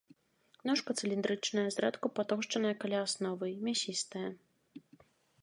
Ножка цыліндрычная, зрэдку патоўшчаная каля асновы, мясістая.